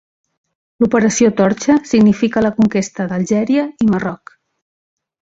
L'Operació Torxa significa la conquesta d'Algèria i Marroc.